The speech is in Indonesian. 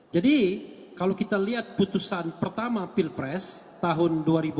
jadi kalau kita lihat putusan pertama pilpres tahun dua ribu empat